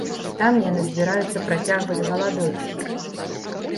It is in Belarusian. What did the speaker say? Там яны збіраюцца працягваць галадоўку.